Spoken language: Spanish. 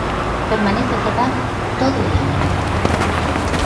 Permanece cerrada todo el año.